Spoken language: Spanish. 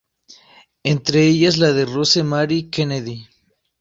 Entre ellas la de Rosemary Kennedy.